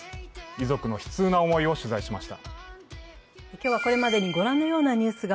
遺族の悲痛な思いを取材しました。